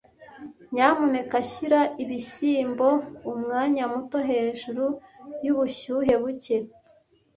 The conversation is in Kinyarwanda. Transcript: Nyamuneka shyira ibishyimbo umwanya muto hejuru yubushyuhe buke.